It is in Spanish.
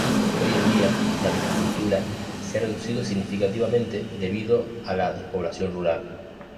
Hoy en día, la viticultura se ha reducido significativamente debido a la despoblación rural.